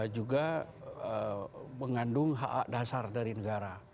juga mengandung hak hak dasar dari negara